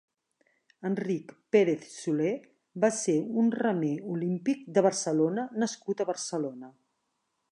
Enric Pérez Soler va ser un remer olímpic de Barcelona nascut a Barcelona.